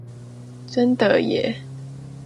真的耶！